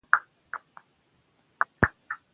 تالابونه د افغانستان په هره برخه کې موندل کېږي.